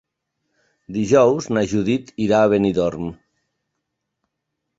Dijous na Judit irà a Benidorm.